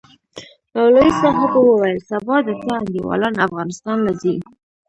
مولوي صاحب وويل سبا د تا انډيوالان افغانستان له زي؟